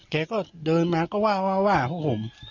แกก็เดินมาก็ว่าว่าว่าพวกผม